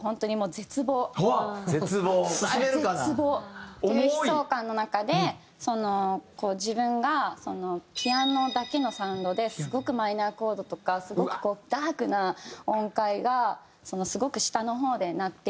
絶望という悲壮感の中でその自分がピアノだけのサウンドですごくマイナーコードとかすごくダークな音階がすごく下の方で鳴っている印象だったとして。